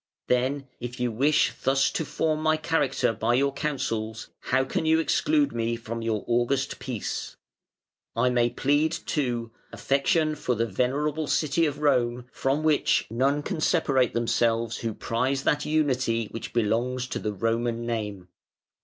Then, if you wish thus to form my character by your counsels, how can you exclude me from your august peace? I may plead, too, affection for the venerable city of Rome, from which none can separate themselves who prize that unity which belongs to the Roman name.